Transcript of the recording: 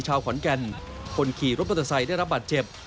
การขี่รถมอเตอร์ไซค์ได้รับบัตรเจ็บ